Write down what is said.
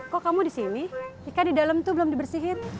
kok kamu di sini ika di dalam itu belum dibersihin